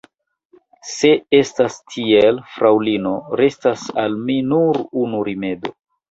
Se estas tiel, fraŭlino, restas al mi nur unu rimedo.